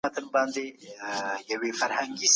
باطل هیڅکله سرلوړي نه سي موندلای.